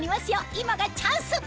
今がチャンス！